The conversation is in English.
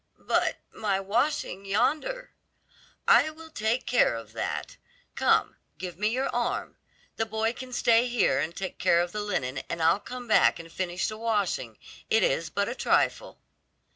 "But my washing yonder?" "I will take care of that. Come, give me your arm. The boy can stay here and take care of the linen, and I'll come back and finish the washing; it is but a trifle."